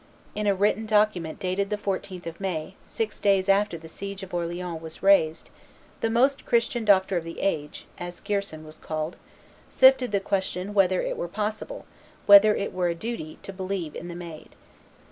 In a written document dated the 14th of May, six days after the siege of Orleans was raised, the most Christian doctor of the age, as Gerson was called, sifted the question whether it were possible, whether it were a duty, to believe in the Maid.